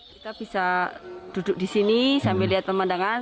kita bisa duduk di sini sambil lihat pemandangan